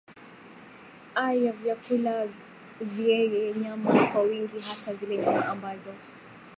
a yvakula vyeye nyama kwa wingi hasa zile nyama ambazo